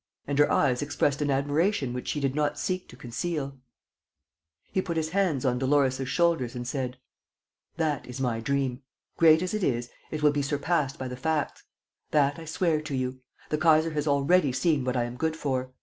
And her eyes expressed an admiration which she did not seek to conceal. He put his hands on Dolores' shoulders and said: "That is my dream. Great as it is, it will be surpassed by the facts: that I swear to you. The Kaiser has already seen what I am good for.